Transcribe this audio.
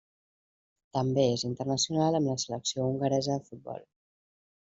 També és internacional amb la selecció hongaresa de futbol.